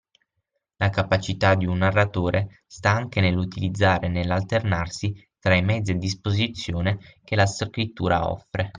La capacità di un narratore sta anche nell’utilizzare e nell’alternarsi tra i mezzi a disposizione che la scrittura offre